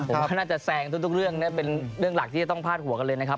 ผมว่าน่าจะแซงทุกเรื่องเป็นเรื่องหลักที่จะต้องพาดหัวกันเลยนะครับ